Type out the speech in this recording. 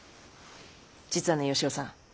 実はね吉雄さん。